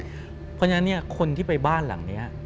เพราะฉะนั้นคนที่ไปบ้านหลังนี้